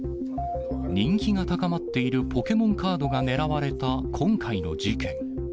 人気が高まっているポケモンカードが狙われた今回の事件。